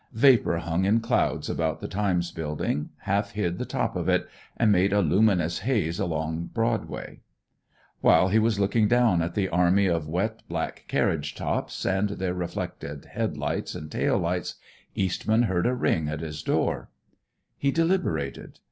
Vapor hung in clouds about the Times Building, half hid the top of it, and made a luminous haze along Broadway. While he was looking down at the army of wet, black carriage tops and their reflected headlights and tail lights, Eastman heard a ring at his door. He deliberated.